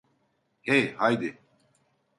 Hey, haydi!